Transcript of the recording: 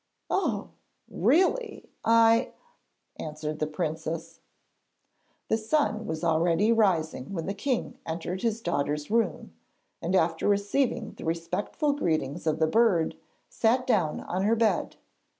'Oh ... really, I ...,' answered the Princess. The sun was already rising when the king entered his daughter's room, and after receiving the respectful greetings of the bird sat down on her bed.